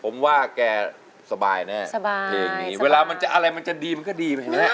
ผมว่าแกสบายแน่เพลงนี้เวลามันจะอะไรมันจะดีมันก็ดีไปแล้ว